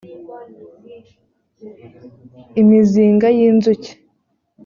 imizinga y’inzuki